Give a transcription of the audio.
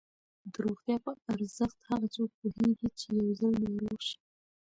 د روغتیا په ارزښت هغه څوک پوهېږي چې یو ځل ناروغ شي.